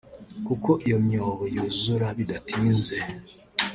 kuko iyo myobo yuzura bidatinze